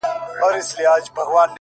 اوس د شپې سوي خوبونه زما بدن خوري،